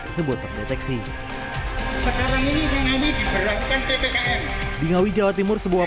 tersebut terdeteksi sekarang ini dengan ini diberlakukan ppkm di ngawi jawa timur sebuah